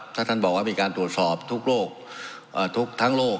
ถ้าท่านบอกว่ามีการตรวจสอบทุกทั้งโลก